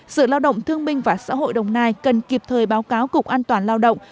sự lao động thương minh và xã hội đồng nai cần kịp thời báo cáo cục an toàn lao động